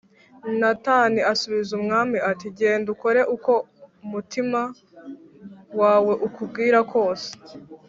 Natani asubiza umwami ati “Genda ukore uko umutima wawe ukubwira kose